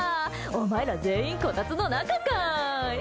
お前ら全員こたつの中かい！